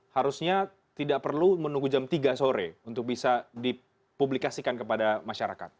harusnya tidak perlu menunggu jam tiga sore untuk bisa dipublikasikan kepada masyarakat